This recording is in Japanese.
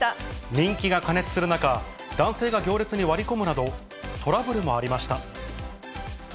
人気が過熱する中、男性が行列に割り込むなど、トラブルもありました。